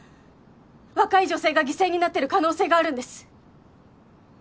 若い女性が犠牲になってる可能性があるんです！